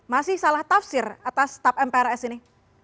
masih salah tafsir atas tap mprs ini